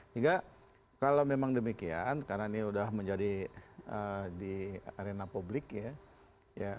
hingga kalau memang demikian karena ini sudah menjadi di arena publik ya